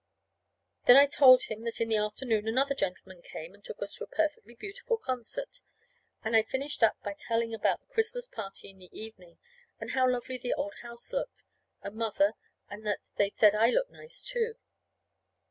Then I told him that in the afternoon another gentleman came and took us to a perfectly beautiful concert. And I finished up by telling about the Christmas party in the evening, and how lovely the house looked, and Mother, and that they said I looked nice, too.